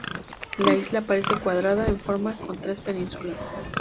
La isla parece cuadrada en forma, con tres penínsulas.